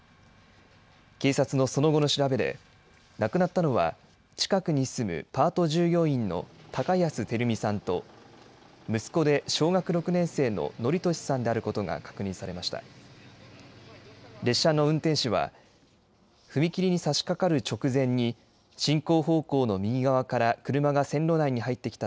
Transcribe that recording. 警察のその後の調べで、亡くなったのは近くに住むパート従業員の高安照美さんと、息子で小学６年生の規稔さんであることが確認されました。